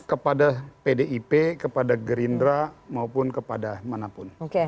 kepada pdip kepada gerindra maupun kepada manapun